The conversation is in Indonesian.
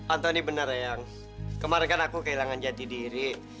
antoni bener ayang kemarin kan aku kehilangan jati diri